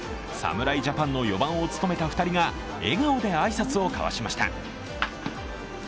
侍ジャパンの４番を務めた２人が、笑顔で挨拶を交わしました。